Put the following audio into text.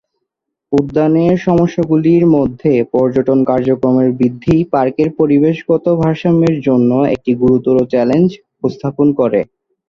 উদ্যানের সমস্যাগুলির মধ্যে পর্যটন কার্যক্রমের বৃদ্ধি পার্কের পরিবেশগত ভারসাম্যের জন্য একটি গুরুতর চ্যালেঞ্জ উপস্থাপন করে।